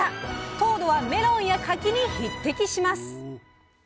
糖度はメロンや柿に匹敵します！